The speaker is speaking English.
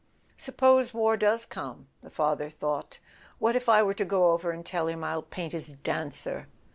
"Suppose war does come," the father thought, "what if I were to go over and tell him I'll paint his dancer?"